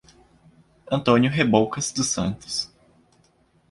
Antônio Reboucas dos Santos